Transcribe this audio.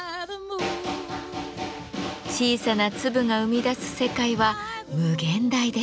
小さな粒が生み出す世界は無限大です。